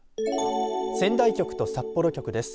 仙台局と札幌局です。